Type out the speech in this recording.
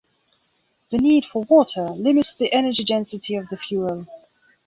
The need for water limits the energy density of the fuel.